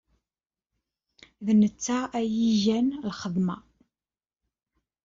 D netta ay igan lxedma-a?